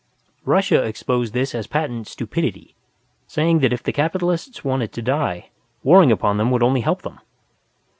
Russia exposed this as patent stupidity, saying that if the Capitalists wanted to die, warring upon them would only help them.